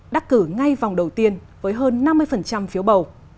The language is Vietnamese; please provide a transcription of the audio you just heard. đắc cử ngay vòng đầu tiên với hơn năm mươi phiếu bầu